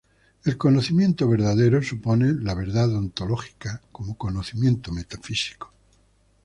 El conocimiento verdadero supone la verdad ontológica como conocimiento metafísico.